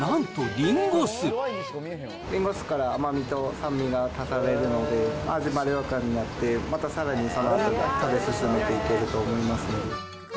リンゴ酢から甘みと酸味が足されるので、味がまろやかになって、またさらにそのあと、食べ進めていけると思いますので。